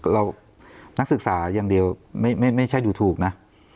นักศึกษาอย่างเดียวไม่ใช่ดูถูกนะ